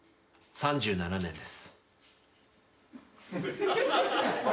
３７年です。